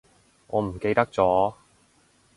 我唔記得咗